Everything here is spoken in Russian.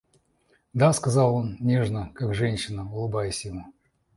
Да, — сказал он, нежно, как женщина, улыбаясь ему.